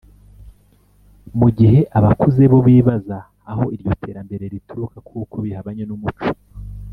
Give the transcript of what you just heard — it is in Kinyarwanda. mu gihe abakuze bo bibaza aho iryo terambere rituruka kuko bihabanye n’umuco